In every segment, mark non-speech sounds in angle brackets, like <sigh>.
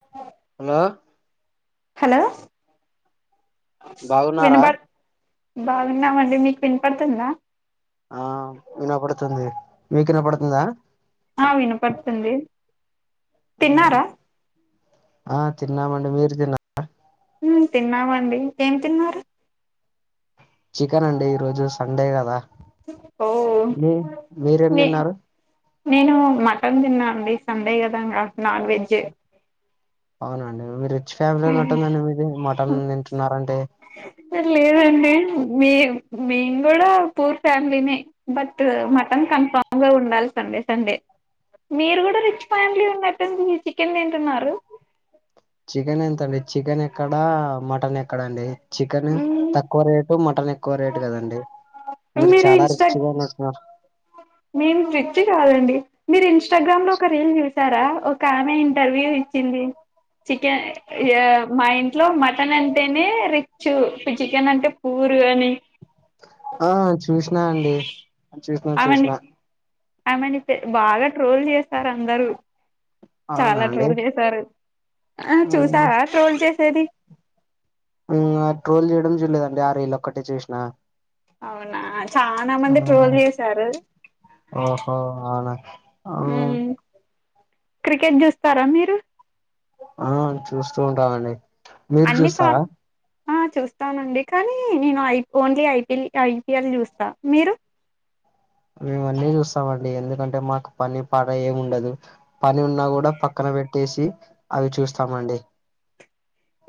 నువ్వే hello hello బాగున్నారా వినబడ్ బాగున్నామండి మీక్ వినపడ్తుందా ఆ వినపడుతుంది మీక్ ఇనపడుతుందా ఆ వినపడ్తుంది ఉమ్ ఆ తిన్నామండి మీర్ తిన్న ఉమ్ తిన్నామండి, ఏం తిన్నారు. చికెన్ అండి ఈ రోజు సండే గదా, ఓ మీ మీరేం నే దిన్నారు. నేను మటన్ తిన్నాఅండి సండే గదా ఇంగ నాన్వెజ్ అవునాఅండి మీరు రిచ్ ఫ్యామిలీ ఉన్నట్టు ఉందండి, మీరు మటన్ తింటున్న రంటే లేదండి మే మేము గుడా పూర్ ఫ్యామిలీనే బట్ మటన్ కన్ఫామ్ గా ఉండాల్సిందే సండే మీర్ గుడా రిచ్ ఫ్యామిలీ ఉన్నట్టుంది మీర్ చికెన్ దిన్ చికెన్ ఎంతండి చికెన్ ఎక్కడా, మటన్ ఎక్కడ్అండి. చికెన్ మ్ తక్కువ రేటు మటన్ ఎక్కువ రేటు కదండి, మీరు చాలా రిచ్గా ఉన్నట్టు ఉన్నార్ మేము రిచ్ కాదండి మీరు ఇన్స్టాగ్రామ్ లో ఒక రీల్ చూసారా, ఒక ఆమె ఇంటర్వ్యూ ఇచ్చింది. చికెన్ ఏ మా ఇంట్లో మటన్ అంటేనే రిచ్ ఇప్పు చికెన్ అంటే పూరుఅని ఆ చూసినాఅండి చూసినా, చూసినా ఆమెనితే బాగా ట్రోల్ జేస్తార్ అందరు అవునా చాలా అండి ట్రోల్ జేసారు, ఆ ఉమ్, చూసారా ట్రోల్ చేసేది. ఉమ్ ఆ ట్రోల్ చేయడం చూడలేదండి, ఆ రీల్ ఒక్కటే చూసినా. అవునా, చానా మంది ట్రోల్ జేసారు. ఓహో అవునా ఉమ్ మ్మ్. క్రికెట్ జుస్తారా మీరు ఆ చూస్తూ ఉంటానండి అన్ని సారు ఆ చూస్తానండి కానీ నేను I only I P L I P L జూస్తా మీరు మేము అన్నీ చూస్తామండి, ఎందుకంటే మాకు పని, పాట ఏం ఉండదు. పని ఉన్నా గుడా పక్కన బెట్టేసి అవి చూస్తామండి.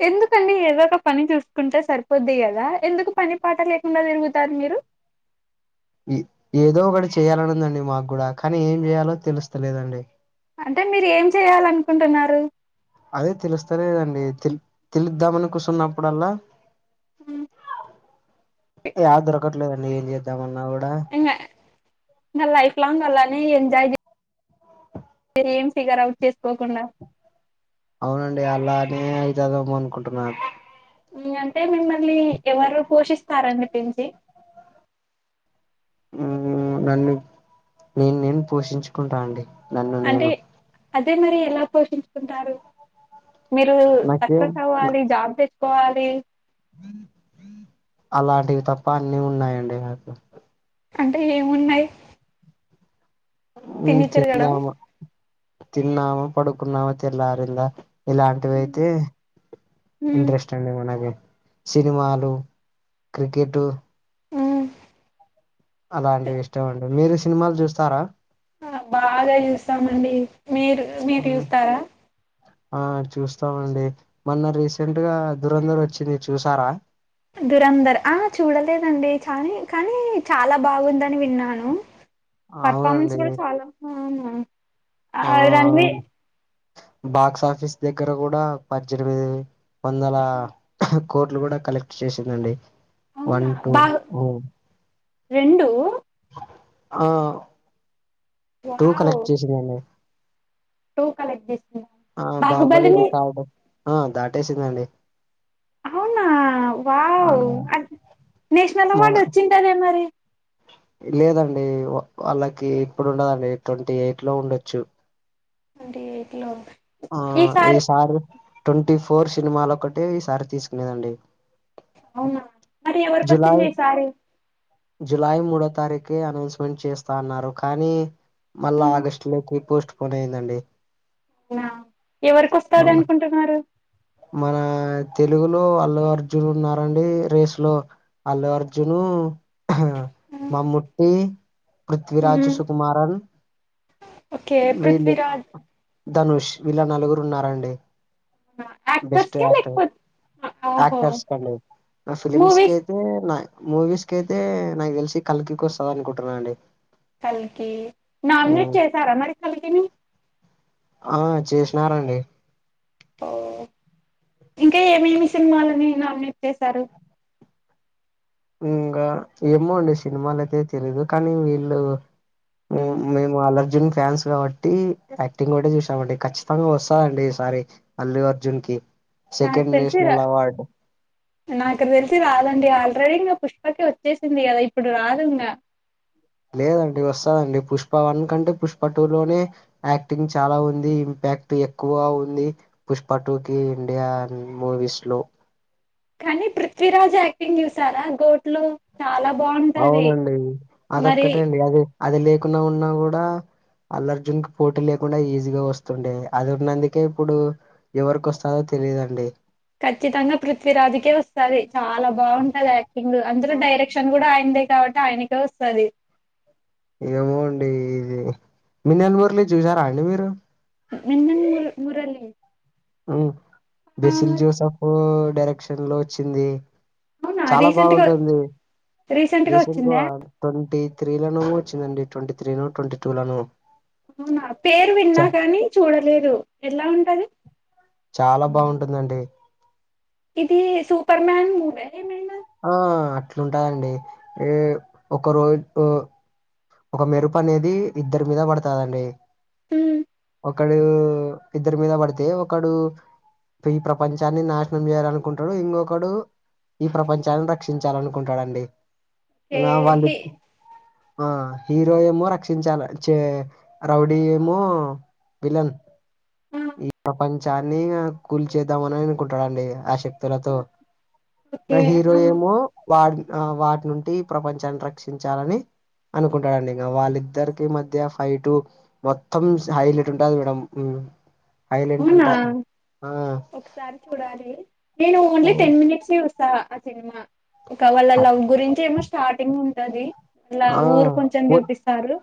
ఎందుకండి ఏదో ఒక పని చూసుకుంటే సరిపోద్ది గదా, ఎందుకు పని పాట లేకుండా తిరుగుతారు మీరు. ఇ ఏదో ఒకటి చేయాలని ఉందండి మాకు గుడ, కానీ ఏం చేయాలో తెలుస్తలేదండి. అంటే మీర్ ఏం చెయాలనుకుంటున్నారు. అదే తెలుస్తాలేదండి, తెల్ తెలుద్దామని కుసున్నప్పుడల్లా హ్మ్. యాద్ దొరకట్లేదు అండి, ఏం చేద్దాంమన్నాగుడా. ఇంగ ఇంగ లైఫ్ లాంగ్ అలానే ఎంజాయ్ జేయ్ మీర్ ఏం ఫిగర్ అవుట్ చేస్కోకుండా అవునండి అలానే అవుతదేమో అనుకుంటున్నా. ఇంగ అంటే మిమ్మల్ని ఎవరు పోషిస్తారండి పెంచి ఉమ్మ్ నన్ను నేన్, నేన్ పోషించుకుంటా అండి. నన్ను అంటే నేను అదే మరి ఎలా పోషించుకుంటారు మీరు సక్సెస్ నాకేం అవ్వాలి జాబ్ తెచ్చుకోవాలి అలాంటివి తప్ప అన్నీ ఉన్నాయండి మాకు అంటే ఏమున్నాయి మీరు తిని తిరగడం చెప్పి తిన్నమా పడుకున్నామా తెల్లారిందా ఇలాంటివి హ్మ్. అయితే హ్మ్. ఇంట్రెస్ట్ డి మనకి సినిమాలు క్రికెట్ ఉ అలాంటివి ఇష్టం అండి మీరు సినిమాలు చూస్తారా బాగా చూస్తామండి మీరు మీరు ఉమ్, చూస్తారా ఆ చూస్తామండి మొన్న రీసెంట్ గా దూరేందర్ వచ్చింది చూసారా దురంధర్ ఆ చూడలేదండి చా కానీ చాలా బాగుందని విన్నాను పర్ఫామెన్స్ అవునండి కూడా చాలా అవునా ఆ రన్వి బాక్సఫీస్ దగ్గర కూడా పద్దెనిమిది వందల కోట్లు కూడా కలెక్ట్ చేసిందండి వన్ అవునా టూ బాహు రెండు ఆ టూ వావ్ కలెక్ట్ చేసిందండి టూ కలెక్ట్ చేసిందా ఆ బాహుబలి బాహుబలిని రికార్డ్ ఆ దాటేసిందండి అవునా ఆ వావ్ నేషనల్ మన అవార్డు వచ్చింటదే మరి లేదండి వాళ్ళకి ఇప్పుడు ఉండదండి ట్వంటీ ఎయిట్ లో ఉండొచ్చు ట్వంటీ ఎయిట్ లో ఆ ఈ ఈసారి సార్ ట్వంటీ ఫోర్ సినిమాలు ఒకటి ఈ సారి తీసుకునేదండి అవునా మరి జులై ఎవరికొచ్చింది ఈసారి జులై మూడో తారీఖే అనౌన్స్మెంట్ చేస్తా అన్నారు కానీ మళ్ళా ఉమ్, ఆగస్టు లోకి పోస్ట్ పోన్ అయ్యిందండి ఆ ఎవరికిస్తంది అవును. అనుకుంటున్నారు మన తెలుగులో అల్లు అర్జున్ ఉన్నారండి రేస్ లో అల్లు అర్జును మమ్ముటి పృథ్విరాజ్ ఉమ్, సుకుమారన్ ఓకే వీలు పృథ్వీరాజ్ ధనుష్ వీళ్ళ నలుగురు ఉన్నారండి ఆ బెస్ట్క్టర్ ఆక్టర్స్ కండి నా ఫిలిమ్స్ కి మూవీస్ అయితే నా మూవీస్ కి అయితే నాకు తెలిసి కల్కికి వస్తది అనుకుంటున్నా అండి కల్కి నామినేట్ ఉమ్, చేసారా మరి కల్కిని ఆ చేసినారండి ఓ ఇంకా ఏమేమి సినిమాలని నామినేట్ చేస్తారు ఇంకా ఏమో ఉండే సినిమాలు అయితే తెలీదు కానీ వీళ్ళు మ్మ్. మేము అల్లుఅర్జున్ ఫ్యాన్స్ కాబ ట్టి యాక్టింగ్ కూడా చూసామండి ఖచ్చితంగా వస్తందండి ఈ సారి అల్లు అర్జున్ కి నాకు సెకండ్ తెల్సీ రా నేషనల్ అవార్డ్ నాకు తెలిసి రాదండి ఆల్రెడీ ఇంగా పుష్పకి వచ్చేసింది కదా ఇప్పుడు రాదు ఇంగా లేదండి వస్తదండి పుష్ప వన్ కంటే పుష్ప టూ లోనే యాక్టింగ్ చాలా ఉంది ఇంపాక్ట్ ఎక్కువ ఉంది పుష్పటు కి ఇండియాన్ మూవీస్ లో కానీ పృథ్వీరాజ్ యాక్టింగ్ చూసారా గోట్ లో చాలా బాగుంది. అవునండి. అదొక్కటే అండి అది అది లేకున్నా ఉన్నా కూడా అల్లుఅర్జున్ కి పోటీ లేకుండా ఈజీగా వస్తుండే. అది ఉన్నందుకే ఇప్పుడు ఎవరికొస్తాదొ తెలిదండి. ఖచ్చితంగా పృథ్వీరాజుకే వస్తాది. చాలా బాగుంటది యాక్టింగ్, అందులో డైరెక్షన్ కూడా అయినదీ కాబట్టి అయనికే వస్తది. ఏమోఅండి. ఇది, <unintelligible> మి నెల ఊర్ళ చూసారా, అండి మీరు ఎ ము మురళి, బెసిల్ ఆ, జోసఫ్ డైరెక్షన్ లో వచ్చింది. అవునా చాలా రీసెంట్ గా బాగుంటుంది. రీసెంట్ గా రీసెంట్గా వచ్చిందా ట్వంటీ త్రీ లను వచ్చిందండి. ట్వంటీ త్రీను ట్వంటీ టూ లను అవునా, పేరువిన్నా కాని చూడలేదు. ఎలా ఉంటది. చాలా బాగుంటుందండి. ఇది సూపర్మాన్ మూవీ ఏమైనా ఆ అట్లుంటాదండి ఎ ఒక రోజు ఒక మెరుపు అనేది ఇద్దరి మీద పడుతదండి. హ్మ్మ్ ఒకడు ఇద్దరి మీద పడితే ఒకడు ఈ ప్రపంచాన్ని నాశనం చేయాలనుకుంటాడు. ఇంకొకడు, ఈ ప్రపంచాన్ని రక్షించాలనుకుంటాడండి. ఓకే వాళ్ళ హి ఆ హీరో ఏమో రక్షించాలి. చే రౌడీ ఏమో విలన్ ఆ ఈ ప్రపంచాన్ని కూల్ చేద్దామని అనుకుంటాడండి. ఆశక్తి తలతో, ఓకే నా హీరో ఆ ఏమో వాడి వాడి నుండి ప్రపంచాన్ని రక్షించాలని, అనుకుంటాడండి. ఇంక, వాళ్ళిద్దరికి మధ్య ఫైటు మొత్తం హైలైట్ ఉంటది. మేడమ్ అవునా ఒకసారిచూడాలి. నేను ఓన్లీ టెన్ మినిట్స్ ని వస్త ఆ సినిమా ఒక కవలల హై- లవ్ గురించి ఏమో స్టార్టింగ్ ఉంటది. అలా ఆ ఊరు కొంచెం వ చూపిస్తారు.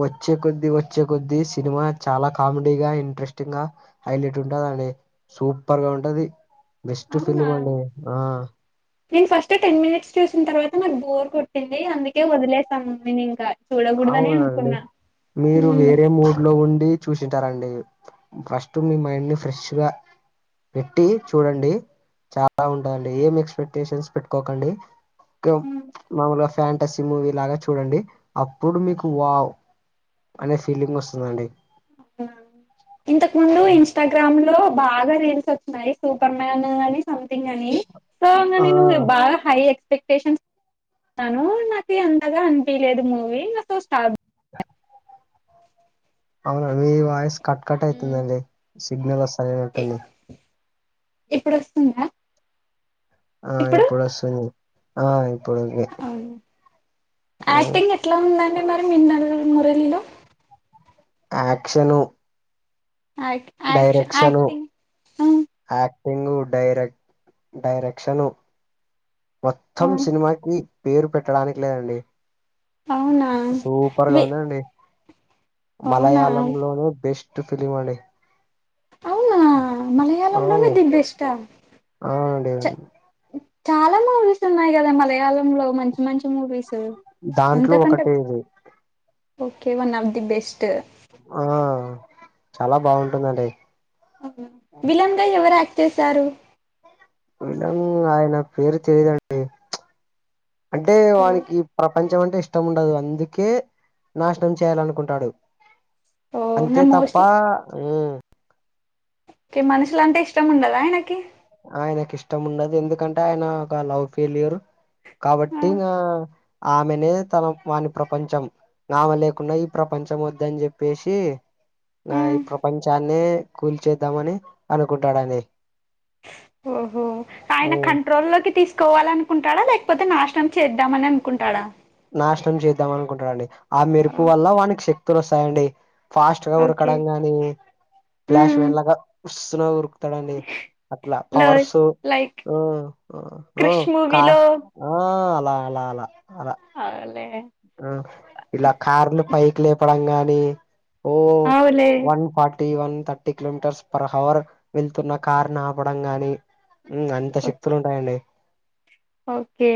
వచ్చే కొద్దిీ వచ్చే కొద్దీ సినిమా చాలా కామెడీ గా ఇంట్రెస్టింగ్ గా హైలైట్ ఉంటదండి. సూపర్ గా ఉంటది. బెస్ట్ అవునా ఫిలిం అండి ఆ నేను ఫస్ట్ టెన్ మినిట్స్ చూసిన తర్వాత నాకు బోర్ కొట్టింది అందుకే వదిలేసాం. మీని ఇంకా చూడకూడదనే అవునండి అనుకున్నా మీరు ఉమ్. వేరే మూడ్ లో ఉండి, చూసింటారండి. ఫస్ట్ మీ మైండ్ ని ఫ్రెష్ గా పెట్టి చూడండి. చాలా ఉంటుందిండి. ఏం ఎక్స్పెక్టేషన్స్ పెట్టుకోకండి మామలుగా ఫ్యాంటసీ మూవీ లాగా చూడండి. అప్పుడు మీకువావ్ అనే ఫీలింగ్ వస్తుందండి. హ ఇంతకు ముందు ఇ ఇన్స్టాగ్రామ్ లో బాగా రీల్స్ వస్తున్నాయి. సూపర్ మ్యాన్ అని సంథింగ్ అని సో అ ఆ నేను బాగా హై ఎక్స్పెక్టేషన్ తను నాకు ఎంతగా అనిపయలేదు. మూవీ నా స్టార్ట్ <unintelligible> అవున మీ వాయిస్ కట్ కట్ అయితుందండి సిగ్నల్ వస్త లేనట్టుంది ఇప్పుడు వస్తుందా ఆ ఇప్పుడు వస్తుంది ఆ ఇప్పుడు ఒకే అవును యాక్టింగ్ ఎట్లా ఉందండి మరి మిన్న మురళిలో యాక్షను ఆ డైరెక్షను యాక్టింగు డైరెక్ డైరెక్షను ఆ మొత్తం ఆ సినిమాకి పేరు పెట్టడానికి లేదండి అవునా సూపర్గా వి ఉందండి అవునా మలయాళంలోనే బెస్ట్ ఫిలిమ్ అండి అవునా అవును మలయాళంలోనే దీ బెస్ట అవునండి చ చాలా మూవీస్ ఉన్నాయి కదా మలయాళంలో మంచి మంచి మూవీస్ దాంట్లో అంతా కంటే ఒకటి ఇది okay one of the best ఆ చాలా బావుంటుందండి విలన్గా ఎవరు యాక్ట్ చేసారు విలన్ ఆయన పేరు తెలిదండి అంటే ఓ వానికి ప పంచం అంటే ఇష్టం ఉండదు అందుకే నాశనం చేయాలనుకుంటాడు ఓ నా అంతే తప్ప మోస్ట్లీ మ్ కి మనుషులంటే ఇష్టం ఉండదా ఆయనకి ఆయనకి ఇష్టం ఉండదు ఎందుకంటే ఆయన ఒక లవ్ ఫెయిల్యూర్ ఆ, కాబట్టి నా ఆమెనే తన వాని ప్రపంచం ఆమె లేకున్నా ఈ ప్రపంచం వద్దని చెప్పేసి ఆ. ఈ ప్రపంచాన్ని కూల్చేద్దామని అనుకుంటాడని ఓహో ఆయన మ్మ్ కంట్రోల్లోకి తీసుకోవాలనుకుంటాడా లేకపోతే నాశనం చేద్దామని అనుకుంటాడా నాశనం చేద్దాం అనుకుంటాడండి ఆ ఓ, మెరుపు వల్ల వానికి శక్తులు వస్తాయండి ఫాస్ట్గా ఓకే ఉరకడం గాని మ్మ్. ఫ్లాష్మాన్ లాగా ఉస్సున ఉరు స్తాడండి అట్లా లో పవర్సు లైక్ హ్మ్ హ్మ్ క్రిష్ కా మూవీలో ఆహ్ అల అల అల అల ఆలే ఆ ఇలా కార్లు పైక్ లేపడం గానీ ఓ అవులే వన్ ఫార్ట్ టివన్ థర్టీ కిలోమీటర్స్ పర్ అవర్ వెళ్తున్న కార్ని ఆపడం గాని మ్ అంత శక్తులు ఉంటాయండి ఓకే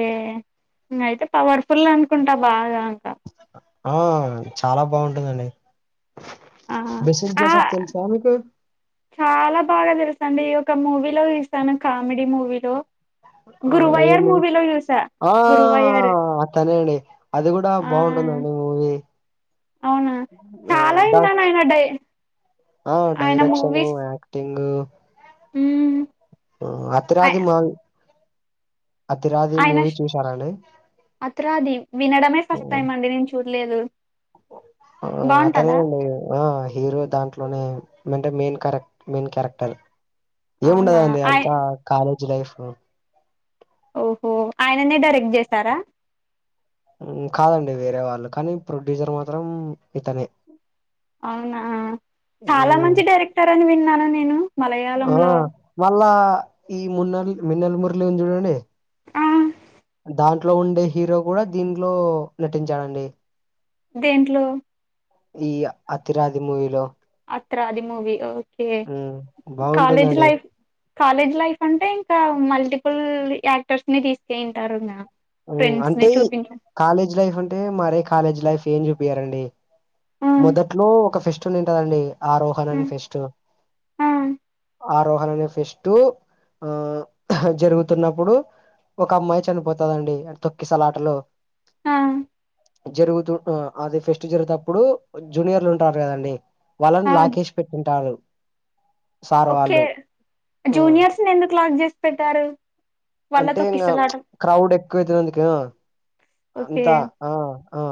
అయితే పవర్ఫుల్ అనుకుంటా బాగా ఇంకా ఆ చాలా బావుంటుందండి ఆ ఆ మేసేజేసావ్ తెలుసా మీకు చాలా బాగా తెలుసండి ఒక మూవీలో చుశాను కామెడీ మూవీలో ఆ గురువయ్యర్ ఏమో మూవీలో చూసా ఆ గురువయ్యర్ అతనే అండి అది గూడా ఆ బావుంటుందండి మూవీ ఆ ద అయినాడయ్యి ఆ డైరెక్షన్ యక్టింగు ఉమ్ అత్రది మా అతిరాది ఆయన మూవీ చూసారాండి అత్రది వినడమే ఫస్ట్ టైం అండి నేను చూడ్లేదు అతనే ఉండ ఆ హీరో దాంట్లోనే అంటే మెయిన్ క్యారెక్ మెయిన్ క్యారెక్టర్ అవునా ఏముండదండి ఆయ అంతా కాలేజ్ లైఫ్ ఓహో ఆయననే డైరెక్ట్ చేశారా ఉం కాదండి వేరే వాళ్ళు కానీ ప్రొడ్యూసర్ మాత్రం ఇతనే అవునా చాలా ఉమ్, మంచి డైరెక్టర్ అని విన్నాను నేను ఆ మలయాళంలో మళ్ళా ఈ మున్నెలు మిన్నెల మురళంది చూడండి ఆ దాంట్లో ఉండే హీరో కూడా దీంట్లో నటించాడండి దేంట్లో ఈ అతిరాది మూవీలో అతిరాది మూవి ఓకే ఉమ్ కాలేజ్ బాగుంటుందండి లైఫ్ కాలేజ్ లైఫ్ అంటే ఇంకా మల్టిపుల్ యాక్టర్స్ ని తీసుకె ఉంటారు ఉం అంటే కాలేజ్ లైఫ్ అంటే మరే కాలేజ్ లైఫ్ ఏం చూపియరండీ ఆ మొదట్లో ఒక ఫెస్టి ఉండి ఉంటాదండి ఆరోహణని ఫెస్ట్ ఆ ఆరోహణ అనే ఫెస్ట్ ఆ జరుగుతున్నప్పుడు ఒక అమ్మాయి చనిపోతదండి ఆడ తొక్కిసలాటలో ఆ జరుగుతు అది ఫెస్ట్ జరుగుతేప్పుడు జూనియర్లు ఉంటారు కదండి వాళ్ళని ఆ లాకేసి పెట్టింటారు సార్ ఓకే వాళ్ళు ఆ, జూనియర్స్ ని ఎందు లాక్ చేసి పెట్టారు అంటే వాళ్ళతో ఇంగా కిసలాట క్రౌడ్ ఎక్కువైతుంది అందుక ఓకే అంతా ఆ ఆ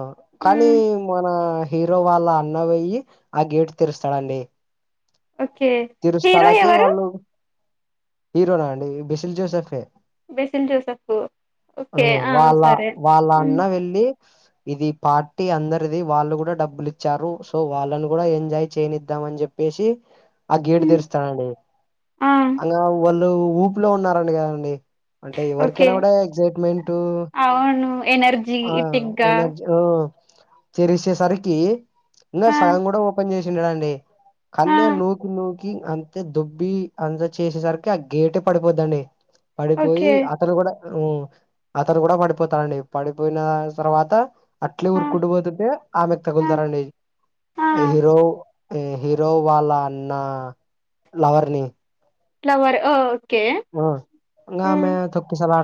కానీ మ్ మన హీరో వాళ్ళ అన్న పోయ్యి ఆ గేట్ తే రుస్తాడండి ఓకే తిరు హీరో స్థలకి ఎవరు వాళ్ళు హీరోనా అండి బిసిల్ జోసెఫే బెసిల్ జోసఫ్ ఆ ఓకే వాళ్ళ సరే వాళ్ళ మ్ అన్న వెళ్ళి ఇది పార్టీ అందరిది వాళ్ళు గూడా డబ్బులు ఇచ్చారు సో వాళ్ళను గూడా ఎంజాయ్ చేయనిద్దాంమని చెప్పి చెప్పేసి ఆ గేటు మ్ తెరుస్తానండి ఆ అంగ వాళ్ళు ఊపిలో ఉన్నారండి కదండి అంటే ఓకే ఎవరికైనా కూడా ఎగ్జట్ట్మెంట్ అవును ఆ ఎనర్జీటిక్ గా ఎనర్జ ఓ చేరిసేసరికి ఇంకా ఆ సగం కూడా ఓపెన్ చేసిండాడండి కన్నే ఆ నూకి నూకి అంతే దొబ్బి అంతా చేసేసరికి ఆ గేటే పడిపోద్దండి ఓకే పడిపోయి అతను కూడా ఉం అతను కూడా పడిపోతాడండి పడిపోయిన తర్వాత అట్లే ఆ ఉరుకుంట పోతుంటే ఆమెకు ఆ తగులుతరండి ఆ హీరో హీరో వాళ్ళ అన్న లవర్ ని లవర్ ఓ ఆ ఇంగ ఆమె తొక్కిశాలటలో